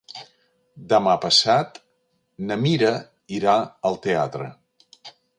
Demà passat na Mira irà al teatre.